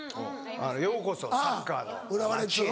「ようこそサッカーのまちへ」。